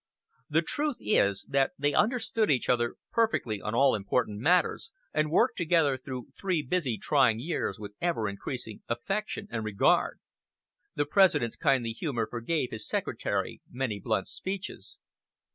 The truth is, that they understood each other perfectly on all important matters, and worked together through three busy trying years with ever increasing affection and regard. The President's kindly humor forgave his Secretary many blunt speeches.